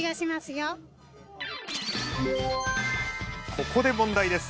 ここで問題です。